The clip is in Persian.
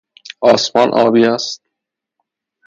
آسمان آبی است.